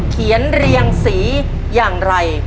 เขียนเรียงสีอย่างไร